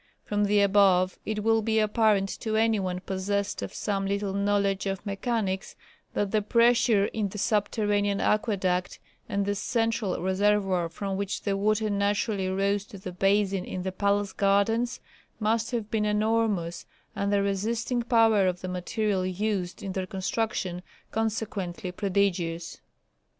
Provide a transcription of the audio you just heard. From the above it will be apparent to any one possessed of some little knowledge of mechanics that the pressure in the subterranean aqueduct and the central reservoir from which the water naturally rose to the basin in the palace gardens, must have been enormous, and the resisting power of the material used in their construction consequently prodigious.